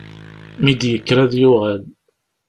Mi d-yekker ad yuɣal.